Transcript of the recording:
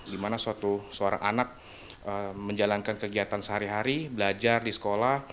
dimana seorang anak menjalankan kegiatan sehari hari belajar di sekolah